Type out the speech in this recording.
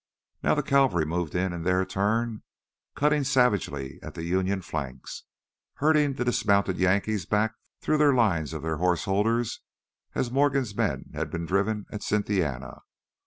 Now the cavalry moved in in their turn, cutting savagely at the Union flanks, herding the dismounted Yankees back through the lines of their horse holders as the Morgan men had been driven at Cynthiana.